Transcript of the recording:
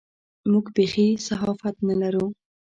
موږ بېخي صحافت نه لرو.